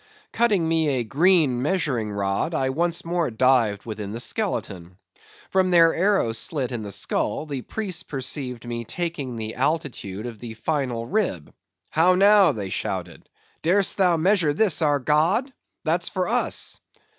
Cutting me a green measuring rod, I once more dived within the skeleton. From their arrow slit in the skull, the priests perceived me taking the altitude of the final rib, "How now!" they shouted; "Dar'st thou measure this our god! That's for us."